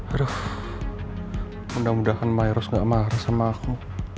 aduh mudah mudahan miros gak marah sama aku